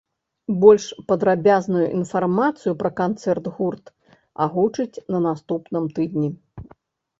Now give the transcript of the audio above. Больш падрабязную інфармацыю пра канцэрт гурт агучыць на наступным тыдні.